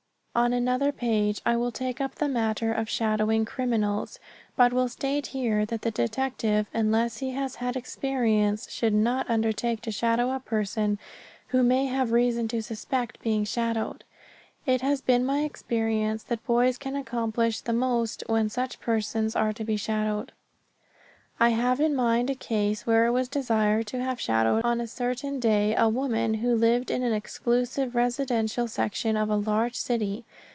On another page I will take up the matter of shadowing criminals, but will state here that the detective, unless he has had experience, should not undertake to shadow a person who may have reason to suspect being shadowed. It has been my experience that boys can accomplish the most when such persons are to be shadowed. I have in mind a case where it was desired to have shadowed on a certain day, a woman who lived in an exclusive residential section of a large city.